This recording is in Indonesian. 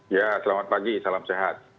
ya selamat pagi salam sehat